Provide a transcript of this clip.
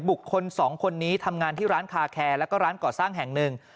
บุคคลสองคนนี้ทำงานที่ร้านคาแคร์แล้วก็ร้านก่อสร้างแห่งหนึ่ง